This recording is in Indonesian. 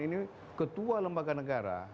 ini ketua lembaga negara